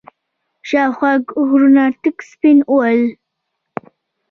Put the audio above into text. شاوخوا غرونه تک سپين ول.